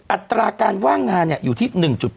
อัตราการว่างงานอยู่ที่๑๘